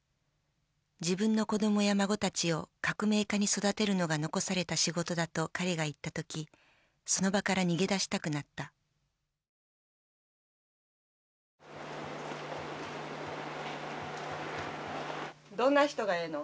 自分の子供や孫たちを革命家に育てるのが残された仕事だと彼が言った時その場から逃げ出したくなったどんな人がええの？